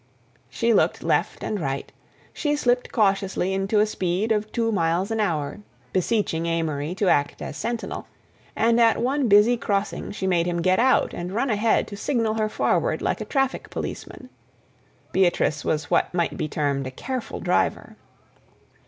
She looked left and right, she slipped cautiously into a speed of two miles an hour, beseeching Amory to act as sentinel; and at one busy crossing she made him get out and run ahead to signal her forward like a traffic policeman. Beatrice was what might be termed a careful driver.